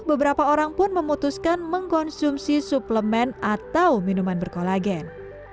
beberapa orang pun memutuskan mengkonsumsi suplemen atau minuman berkolagen